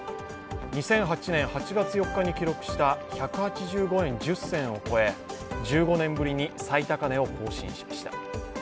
２００８年８月４日に記録した１８５円１０銭を超え、１５年ぶりに最高値を更新しました。